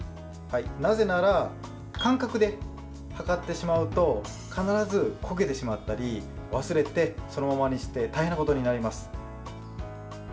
なぜなら、感覚で計ってしまうと必ず焦げてしまったり忘れて、そのままにして大変なことになります。